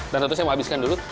tentu saya mau habiskan dulu